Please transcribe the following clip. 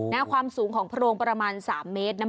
ความสูงของโพรงประมาณ๓เมตรนะ